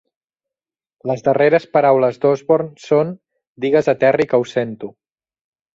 Les darreres paraules d'Osborn són, Digues a Terry que ho sento.